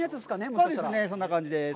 そうですね、そんな感じです。